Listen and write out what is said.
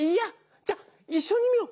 じゃあいっしょに見よう！